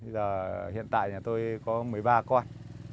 giờ hiện tại nhà tôi có một mươi ba con